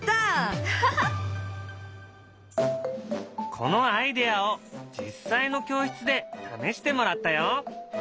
このアイデアを実際の教室で試してもらったよ。